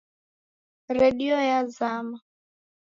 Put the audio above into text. Redio yazama